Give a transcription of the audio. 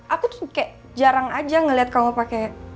aku kayak jarang aja ngeliat kamu pakai